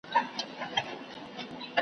دا دهقان چي تخم پاشي او روان دی .